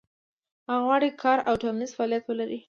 هغه غواړي کار او ټولنیز فعالیت ولري.